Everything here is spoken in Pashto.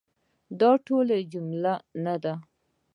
دا ټولي جملې نه دي .